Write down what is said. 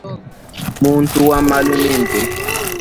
Muntu wa malu mimpe.